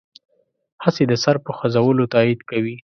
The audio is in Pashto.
هسې د سر په خوځولو تایید کوي.